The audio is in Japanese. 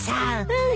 うん。